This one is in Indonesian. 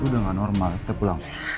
lo udah gak normal kita pulang